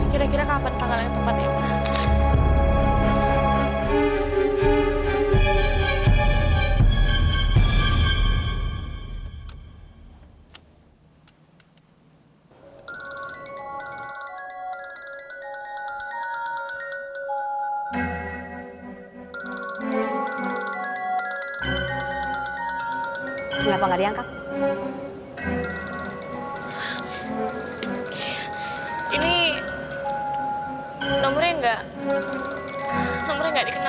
kira kira kapan tanggal yang tepat ya mak